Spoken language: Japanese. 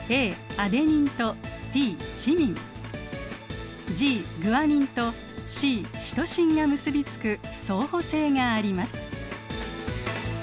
アデニンとＴチミンＧグアニンとＣシトシンが結び付く相補性があります。